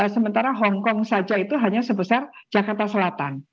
sementara hongkong saja itu hanya sebesar jakarta selatan